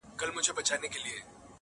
په عزت په شرافت باندي پوهېږي.